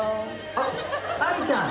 あっアミちゃん。